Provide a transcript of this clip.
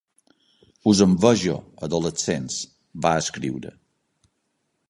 Us envejo, adolescents, va escriure.